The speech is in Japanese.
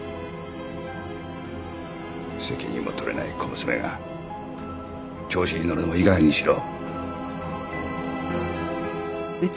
責任も取れない小娘が調子に乗るのもいいかげんにしろ。